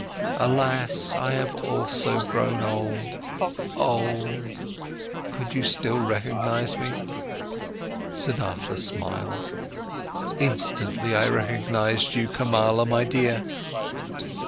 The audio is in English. Alas, I have also grown old, old—could you still recognise me?" Siddhartha smiled: "Instantly, I recognised you, Kamala, my dear."